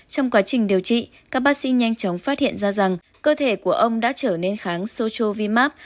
trong quá trình điều trị các bác sĩ nhanh chóng phát hiện ra rằng cơ thể của ông đã trở nên kháng socho vimap